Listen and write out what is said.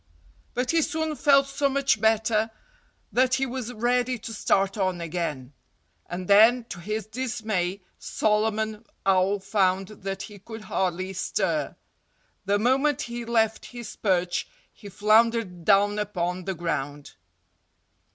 But he soon felt so much better that he was ready to start on again. And then, to his dismay, Solomon Owl found that he could hardly stir. The moment he left his perch he floundered down upon the ground.